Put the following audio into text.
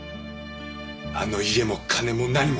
あの家も金も何もかも。